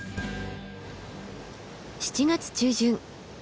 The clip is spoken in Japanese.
７月中旬。